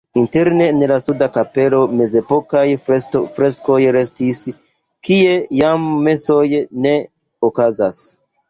Interne en la suda kapelo mezepokaj freskoj restis, kie jam mesoj ne okazas.